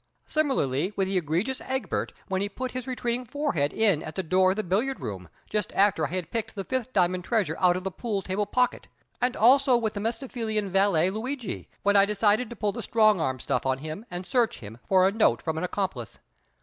Similarly with the egregious Egbert when he put his retreating forehead in at the door of the billiard room, just after I had picked the fifth diamond treasure out of the pool table pocket; and also with the Mephistophelian valet Luigi, when I decided to pull the strong arm stuff on him and search him for a note from an accomplice.